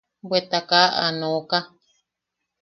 Bweta kaa aa nooka.